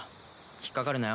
引っ掛かるなよ